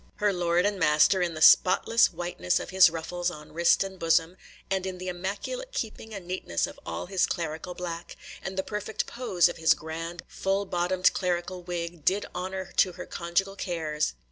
Her lord and master, in the spotless whiteness of his ruffles on wrist and bosom, and in the immaculate keeping and neatness of all his clerical black, and the perfect pose of his grand full bottomed clerical wig, did honor to her conjugal cares.